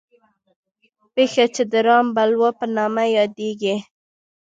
پېښه چې د رام بلوا په نامه یادېږي.